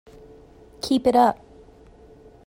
Keep it up!